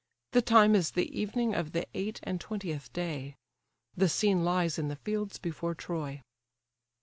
The time is the evening of the eight and twentieth day. The scene lies in the fields before Troy.